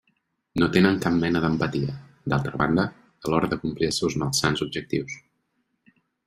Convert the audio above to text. No tenen cap mena d'empatia, d'altra banda, a l'hora de complir els seus malsans objectius.